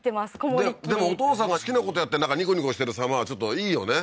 籠もりっきりでもお父さんが好きなことやってなんかニコニコしてる様はちょっといいよね